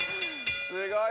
すごい！